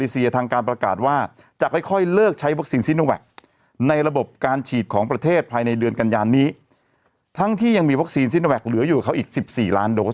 ทั้งที่ยังมีวัคซีนซิโนแวคเหลืออยู่กับเขาอีก๑๔ล้านโดส